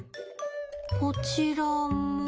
こちらも。